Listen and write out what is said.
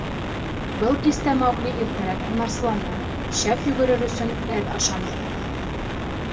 Был кистә Маугли иртәрәк һунарсыланы, шәп йүгерер өсөн әҙ ашаны.